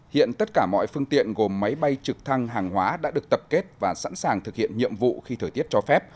hiện tất cả mọi phương tiện gồm máy bay trực thăng hàng hóa đã được tập kết và sẵn sàng thực hiện nhiệm vụ khi thời tiết cho phép